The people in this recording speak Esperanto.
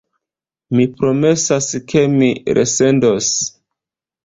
Mi promesas, ke mi resendos.